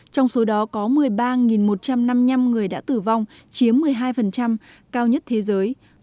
trong số đó có một mươi ba một trăm năm mươi năm người đã tử vong chiếm một mươi hai cao nhất thế giới